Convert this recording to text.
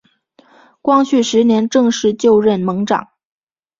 光绪十年正式就任盟长。